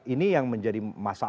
ini yang menjadi masalah untuk kita